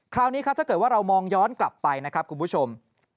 คราวนี้ครับถ้าเกิดว่าเรามองย้อนกลับไปนะครับคุณผู้ชม